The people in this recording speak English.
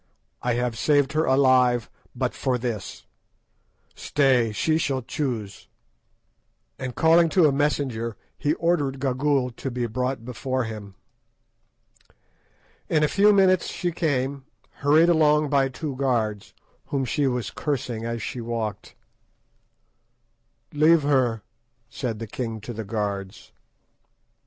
"I have saved her alive but for this. Stay, she shall choose," and calling to a messenger he ordered Gagool to be brought before him. In a few minutes she came, hurried along by two guards, whom she was cursing as she walked. "Leave her," said the king to the guards.